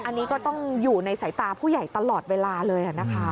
อันนี้ก็ต้องอยู่ในสายตาผู้ใหญ่ตลอดเวลาเลยนะคะ